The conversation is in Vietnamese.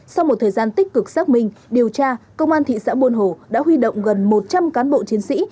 sau một thời gian tích cực xác minh điều tra công an thị xã buôn hồ đã huy động gần một trăm linh cán bộ chiến sĩ